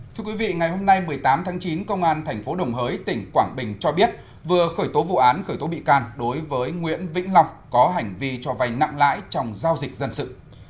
thưa quý vị ngày hôm nay một mươi tám tháng chín công an tp đồng hới tỉnh quảng bình cho biết vừa khởi tố vụ án khởi tố bị can đối với nguyễn vĩnh long có hành vi cho vay nặng lãi trong giao dịch dân sự